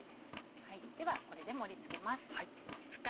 ではこれで盛り付けます。